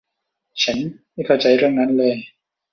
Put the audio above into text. ฉันไม่เข้าใจเรื่องนั้นเลย